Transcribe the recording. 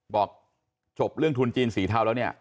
บอกจบเรื่องทุนจีนสีเทาแล้วเนี่ย